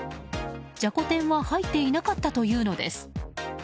じゃこ天は入っていなかったというのです。